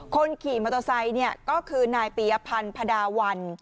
คนขี่มอเตอร์ไซค์ก็คือนายปียพันธ์พดาวัน